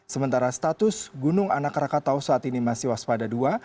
sementara status gunung anak rakatau saat ini masih waspada dua